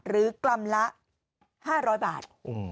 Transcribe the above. หรือกลำละ๕๐๐บาท